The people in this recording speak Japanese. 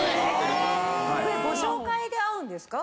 ご紹介で会うんですか？